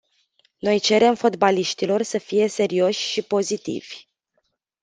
Noi cerem fotbaliștilor să fie serioși și pozitivi.